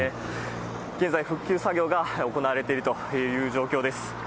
現在、復旧作業が行われているという状況です。